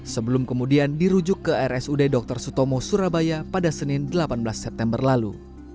sebelum kemudian dirujuk ke rsud dr sutomo surabaya pada senin delapan belas september lalu